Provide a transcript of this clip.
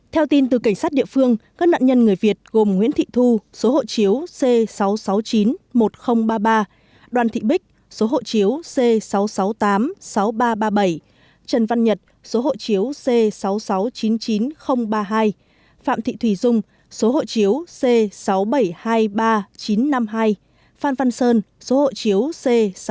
theo tin từ cảnh sát địa phương các nạn nhân người việt gồm nguyễn thị thu số hộ chiếu c sáu trăm sáu mươi chín một nghìn ba mươi ba đoàn thị bích số hộ chiếu c sáu trăm sáu mươi tám sáu nghìn ba trăm ba mươi bảy trần văn nhật số hộ chiếu c sáu nghìn sáu trăm chín mươi chín ba mươi hai phạm thị thùy dung số hộ chiếu c sáu nghìn bảy trăm hai mươi ba chín trăm năm mươi hai phan văn sơn số hộ chiếu c sáu nghìn bảy trăm sáu mươi bảy một trăm linh ba